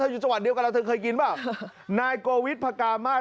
เธออยู่จังหวัดเดียวกันแล้วเธอเคยกินไหมนายโกวิทพระกามาท